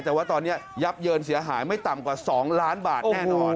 แต่ว่าตอนนี้ยับเยินเสียหายไม่ต่ำกว่า๒ล้านบาทแน่นอน